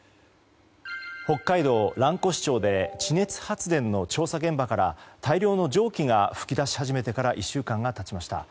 北海道蘭越町で地熱発電の調査現場から大量の蒸気が噴き出し始めてから１週間が経ちました。